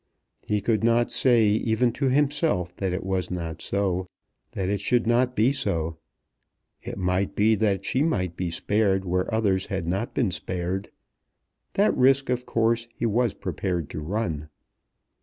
He could not say, even to himself, that it was not so, that it should not be so. It might be that she might be spared where others had not been spared. That risk, of course, he was prepared to run.